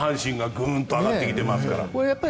阪神が今グンと上がってきてますから。